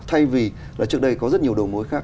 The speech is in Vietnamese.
thay vì là trước đây có rất nhiều đầu mối khác